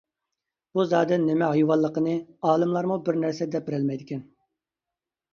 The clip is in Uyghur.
بۇ زادى نېمە ھايۋانلىقىنى ئالىملارمۇ بىر نەرسە دەپ بېرەلمەيدىكەن.